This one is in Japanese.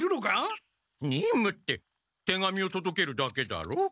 任務って手紙をとどけるだけだろ？